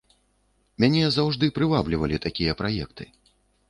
Мяне заўжды прываблівалі такія праекты.